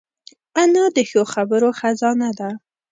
انا د ښو خبرو خزانه ده